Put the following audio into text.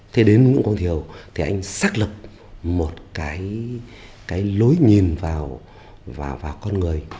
thế đến nguyễn quang thiều thì anh xác lập một cái lối nhìn vào con người